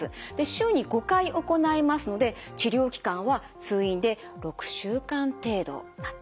週に５回行いますので治療期間は通院で６週間程度となっています。